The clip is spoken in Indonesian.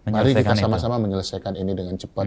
mari kita sama sama menyelesaikan ini dengan cepat